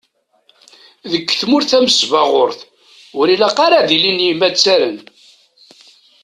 Deg tmurt tamesbaɣurt, ur ilaq ara ad ilin yimattaren.